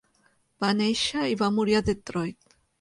Va néixer i va morir a Detroit.